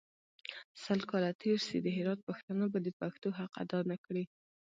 سل کاله تېر سي د هرات پښتانه به د پښتو حق اداء نکړي.